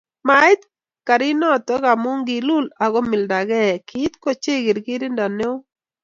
maait garit noto amu kiluul ago milmildage kit ko chei kirkirindo ne o